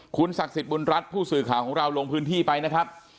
คุณศักดิ์สิทธิ์บุญรัฐผู้สื่อข่าวของเราลงพื้นที่ไปนะครับ